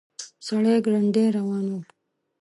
سړی ګړندي روان و.